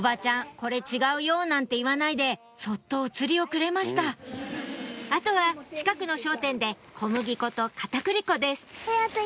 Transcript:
これ違うよ！なんて言わないでそっとお釣りをくれましたあとは近くの商店で小麦粉と片栗粉です